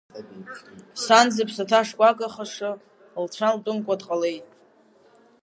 Сан, зыԥсаҭа шкәакәахаша, лцәа лтәымкәа дҟалеит.